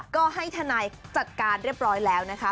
ก็ให้ทนายจัดการเรียบร้อยแล้วนะคะ